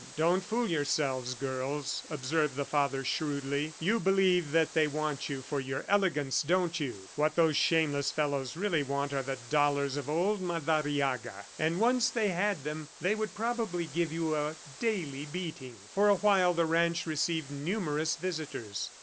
"Don't fool yourselves, girls!" observed the father shrewdly. "You believe that they want you for your elegance, don't you? ... What those shameless fellows really want are the dollars of old Madariaga, and once they had them, they would probably give you a daily beating." For a while the ranch received numerous visitors.